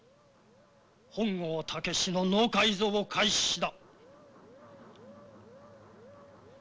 本郷猛の脳改造を開始だ。